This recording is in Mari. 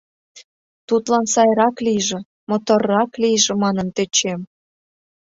Тудлан сайрак лийже, моторрак лийже манын тӧчем.